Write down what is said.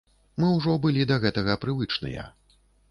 Мы ўжо былі да гэтага прывычныя.